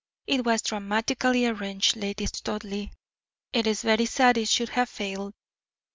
It was dramatically arranged, Lady Studleigh; it is very sad it should have failed."